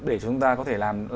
để chúng ta có thể làm